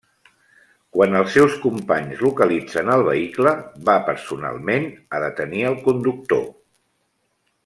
Quan els seus companys localitzen el vehicle va personalment a detenir al conductor.